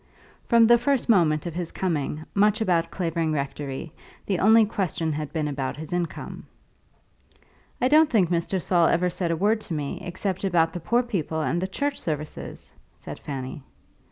From the first moment of his coming much about Clavering Rectory the only question had been about his income. "I don't think Mr. Saul ever said a word to me except about the poor people and the church services," said Fanny.